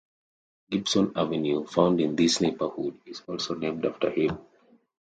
Gibson Avenue, found in this neighbourhood, is also named after him.